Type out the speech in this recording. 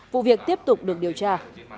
vụ việc tiếp tục được điều tra